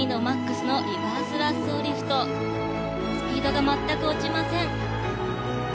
スピードが全く落ちません。